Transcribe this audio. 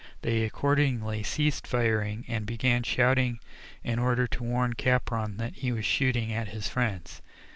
They accordingly ceased firing and began shouting in order to warn Capron that he was shooting at his friends.